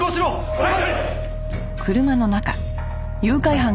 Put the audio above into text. はい！